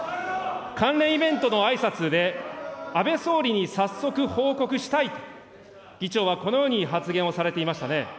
関連イベントのあいさつで、安倍総理に早速報告したい、議長はこのように発言をされていましたね。